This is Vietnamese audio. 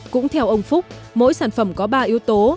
cũng theo ông phúc mỗi sản phẩm có ba yếu tố